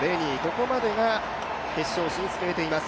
ここまでが決勝進出を決めています。